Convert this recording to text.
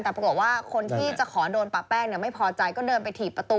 แต่ปรากฏว่าคนที่จะขอโดนปะแป้งไม่พอใจก็เดินไปถีบประตู